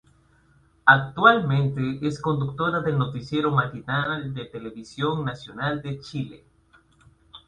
Actualmente es conductora del noticiero matinal de Televisión Nacional de Chile.